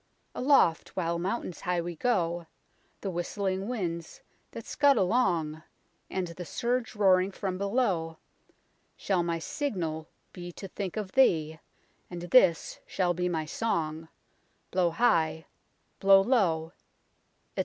" Aloft while mountains high we go, The whistling winds that scud along, And the surge roaring from below, Shall my signal be To think of thee, And this shall be my song : Blow high, blow low, etc.